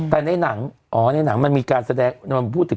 แต่ในหนังอ๋อในหนังมันมีการแสดงมันพูดถึง